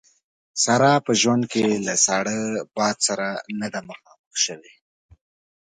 ساره په ژوند کې له ساړه باد سره نه ده مخامخ شوې.